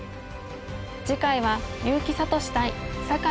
次回は結城聡対酒井